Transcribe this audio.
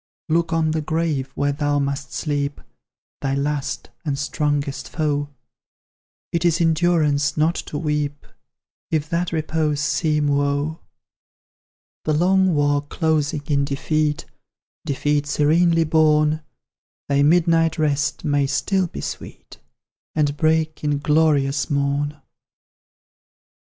"Look on the grave where thou must sleep Thy last, and strongest foe; It is endurance not to weep, If that repose seem woe. "The long war closing in defeat Defeat serenely borne, Thy midnight rest may still be sweet, And break in glorious morn!"